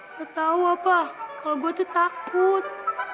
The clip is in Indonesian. gak tau apa kalo gue tuh takut